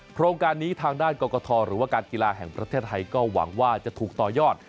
โครงการนี้ทางด้านกรกฐหรือว่าการกีฬาแห่งประเทศไทยก็หวังว่าจะถูกต่อยอด